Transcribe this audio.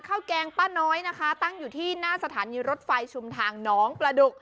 แกงป้าน้อยนะคะตั้งอยู่ที่หน้าสถานีรถไฟชุมทางน้องประดุก